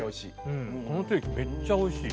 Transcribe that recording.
このステーキめっちゃおいしい。